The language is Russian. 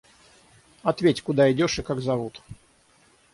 Ответь куда идешь и как зовут.